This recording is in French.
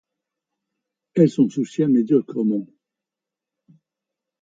Elle s’en soucia médiocrement.